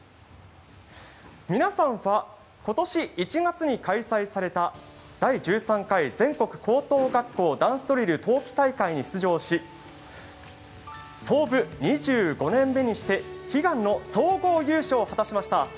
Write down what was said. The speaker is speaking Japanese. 皆さんは今年１月に開催された第１３回全国高等学校ダンスドリル冬季大会に出場し、創部２５年目にして悲願の総合優勝を果たしました。